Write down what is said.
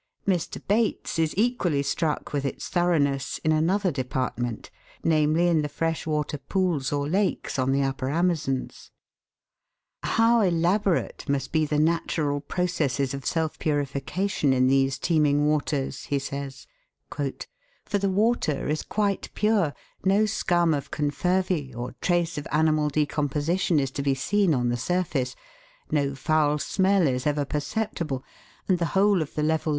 Mr. Bates is equally struck with its thoroughness in another department, namely in the fresh water pools or lakes on the Upper Amazons. " How elaborate must be the natural processes of self purification in these teeming waters," he says, " for the water is quite pure, no scum of confervae, or trace of animal decomposition is to be seen on the surface, no foul smell is ever perceptible, and the whole of the level 228 THE WORLDS LUMBER ROOM.